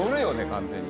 完全に。